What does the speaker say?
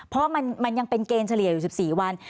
เพราะมันยังเป็นเกณฑ์เฉลี่ยอยู่๑๔วัน